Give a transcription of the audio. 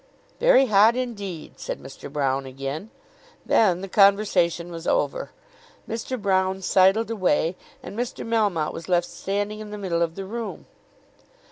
"Very hot indeed," said Mr. Broune again. Then the conversation was over. Mr. Broune sidled away, and Mr. Melmotte was left standing in the middle of the room.